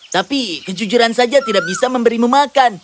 tapi kejujuran saja tidak bisa memberimu makan